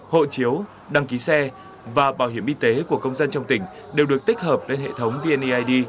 hộ chiếu đăng ký xe và bảo hiểm y tế của công dân trong tỉnh đều được tích hợp lên hệ thống vneid